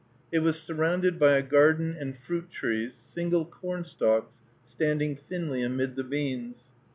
It was surrounded by a garden and fruit trees, single cornstalks standing thinly amid the beans.